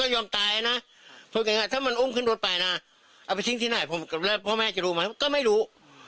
ยอมตายนะพูดง่ายถ้ามันอุ้มขึ้นรถไปนะเอาไปทิ้งที่ไหนพ่อแม่จะรู้ไหมก็ไม่รู้